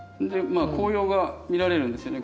まあ紅葉が見られるんですよね。